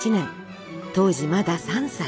当時まだ３歳。